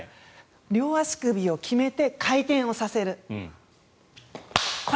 両足首を決めて回転をさせる。